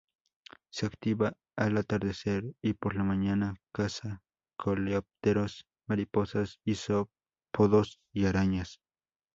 Se activa al atardecer y por la mañana; caza coleópteros, mariposas, isópodos y arañas.